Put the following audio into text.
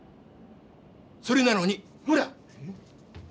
それなのにほら！